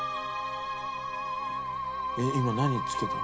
えっ今何つけたの？